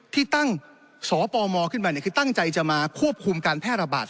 ที่ตั้งสปมขึ้นมาคือตั้งใจจะมาควบคุมการแพร่ระบาด